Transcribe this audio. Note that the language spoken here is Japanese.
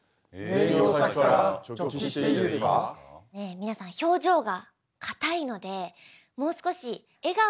皆さん表情が硬いのでもう少し笑顔で。